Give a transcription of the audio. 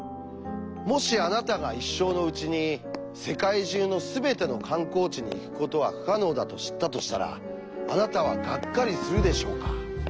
もしあなたが一生のうちに世界中のすべての観光地に行くことは不可能だと知ったとしたらあなたはがっかりするでしょうか？